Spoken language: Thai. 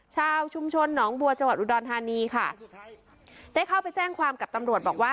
ชาวชุมชนหนองบัวจังหวัดอุดรธานีค่ะได้เข้าไปแจ้งความกับตำรวจบอกว่า